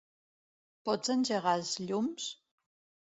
Pots engegar els llums?